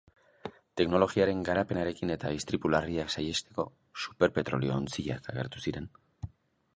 Teknologiaren garapenarekin eta istripu larriak saihesteko, super petrolio-ontziak agertu ziren.